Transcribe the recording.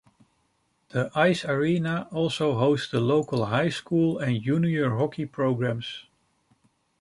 The Ice Arena also hosts the local high school and junior hockey programs.